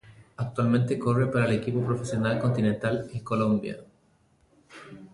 Actualmente corre para el equipo profesional continental el Colombia.